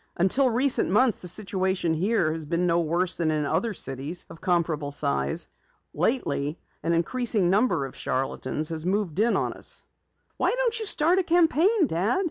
Until recent months the situation here has been no worse than in other cities of comparable size. Lately an increasing number of charlatans has moved in on us." "Why don't you start a campaign, Dad?"